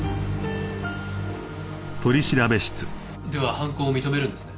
では犯行を認めるんですね？